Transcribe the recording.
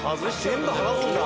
全部剥がすんだ。